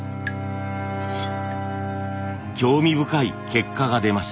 興味深い結果が出ました。